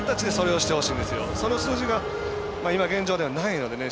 その数字が今現状ではないのでね。